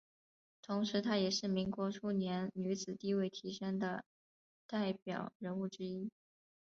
同时她也是民国初年女子地位提升的代表人物之一。